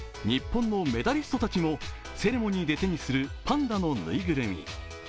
日本のメダリストたちもセレモニーで手にするパンダのぬいぐるみ。